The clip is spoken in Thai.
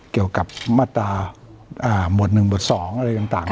เกี่ยวกับมาตราหมวด๑หมวด๒อะไรต่าง